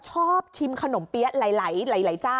ชอบชิมขนมเปี๊ยะหลายเจ้า